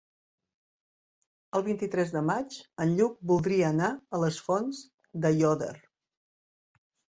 El vint-i-tres de maig en Lluc voldria anar a les Fonts d'Aiòder.